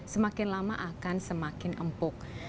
semakin lama akan semakin empuk